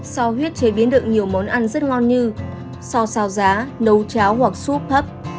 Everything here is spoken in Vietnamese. sò huyết chế biến được nhiều món ăn rất ngon như sò xào giá nấu cháo hoặc súp hấp